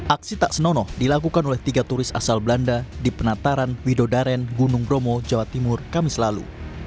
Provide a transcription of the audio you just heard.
aksi tak senonoh dilakukan oleh tiga turis asal belanda di penataran widodaren gunung bromo jawa timur kamis lalu